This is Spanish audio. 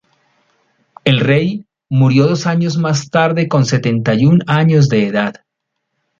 El rey murió dos años más tarde, con setenta y un años de edad.